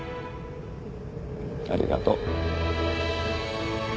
ありがとう。